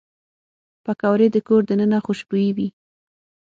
پکورې د کور دننه خوشبويي وي